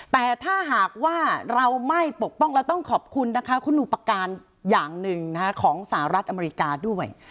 แต่ถ้าหากว่าเราไม่ปกป้องเราต้องขอบคุณนะคะคุณอุปการณ์อย่างหนึ่งของสหรัฐอเมริกาด้วย